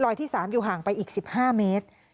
ที่๓อยู่ห่างไปอีก๑๕เมตร